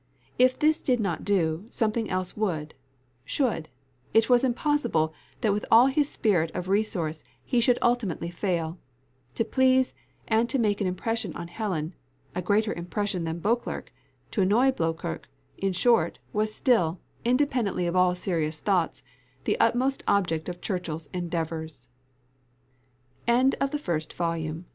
If this did not do, something else would should. It was impossible that with all his spirit of resource he should ultimately fail. To please, and to make an impression on Helen, a greater impression than Beauclerc to annoy Beauclerc, in short, was still, independently of all serious thoughts, the utmost object of Churchill's